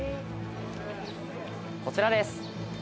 こちらです。